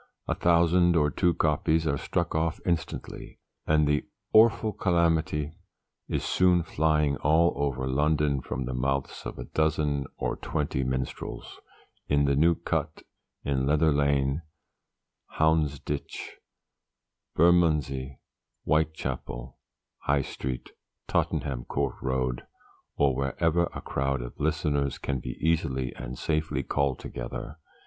A thousand or two copies are struck off instantly, and the 'Orfle Calamity' is soon flying all over London from the mouths of a dozen or twenty minstrels, in the New Cut, in Leather Lane, Houndsditch, Bermondsey, Whitechapel, High Street, Tottenham court road or wherever a crowd of listeners can be easily and safely called together.